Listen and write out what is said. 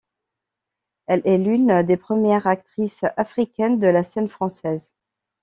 Elle est l’une des premières actrices africaines de la scène française.